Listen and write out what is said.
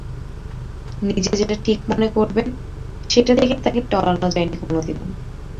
নিজে যেটা ঠিক মনে করবেন, সেটা থেকে তাঁকে টলানো যায়নি কোনো দিন।